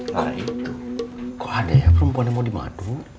nah itu kok ada ya perempuan yang mau dimadu